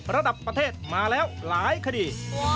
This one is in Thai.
ระดับประเทศมาแล้วหลายคดี